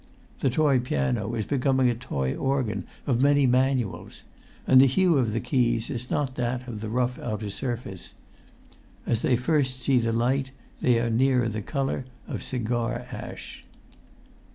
The toy piano is becoming a toy organ of many manuals; and the hue of the keys is not that of the rough outer surface: as they first see the light they are nearer the colour of cigar ash.